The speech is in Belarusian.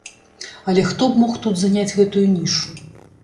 Але хто б мог тут заняць гэтую нішу?